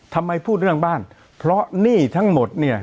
ทำไมพูดเรื่องบ้านเพราะหนี้ทั้งหมดเนี่ย